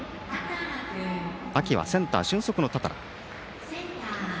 秋はセンター、俊足の多田羅。